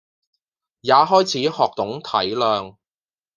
也開始學懂體諒